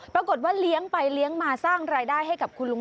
ปรากฏว่าเลี้ยงไปเลี้ยงมาสร้างรายได้ให้กับคุณลุง